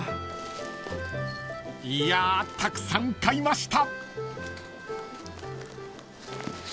［いやたくさん買いました］